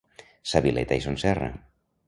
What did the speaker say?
Sa Vileta i Son Serra.